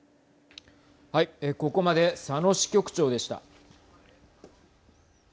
ここまで佐野支局長でした。